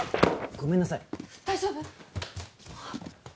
ごめんなさい大丈夫？